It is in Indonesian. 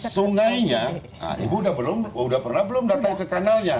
sungainya ibu udah pernah belum datang ke kanalnya